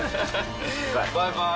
バイバーイ。